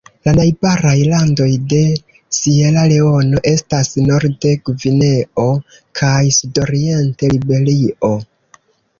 La najbaraj landoj de Sieraleono estas norde Gvineo kaj sudoriente Liberio.